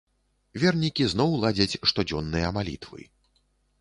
Вернікі зноў ладзяць штодзённыя малітвы.